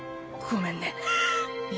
ごめんね都。